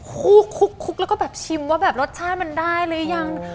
คลุกคลุกคลุกแล้วก็ชิมว่ารสชาติมันได้หรือยัง